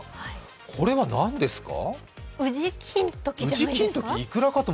これはなんですか？